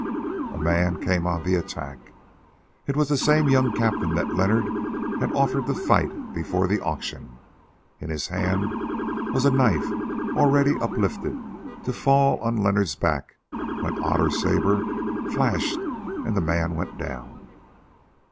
A man came on the attack; it was the same young captain that Leonard had offered to fight before the auction. In his hand was a knife already uplifted to fall on Leonard's back when Otter's sabre flashed and the man went down.